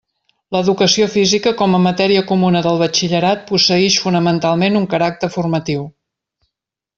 L'Educació Física, com a matèria comuna del Batxillerat, posseïx fonamentalment un caràcter formatiu.